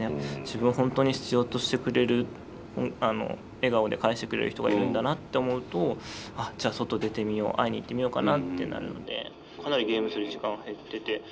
自分を本当に必要としてくれる笑顔で返してくれる人がいるんだなって思うとじゃあ外出てみよう会いに行ってみようかなってなるのでかなりゲームする時間は減ってて。